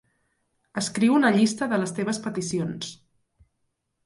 Escriu una llista de les teves peticions.